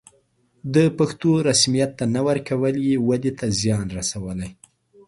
د پښتو رسميت ته نه ورکول یې ودې ته زیان رسولی.